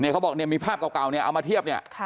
เขาบอกมีภาพเก่าเอามาเทียบเนี่ย